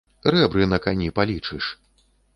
Рэбры на кані палічыш.